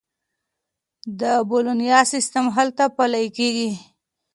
د بولونیا سیستم هلته پلي کیږي.